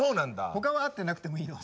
ほかは合ってなくてもいいの。